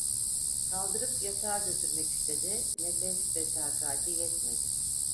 Kaldırıp yatağa götürmek istedi, nefes ve takati yetmedi.